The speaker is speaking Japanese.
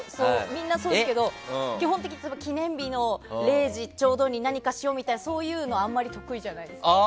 みんなそうですけど基本的に記念日の０時ちょうどに何かしようとかそういうのあんまり得意じゃないです。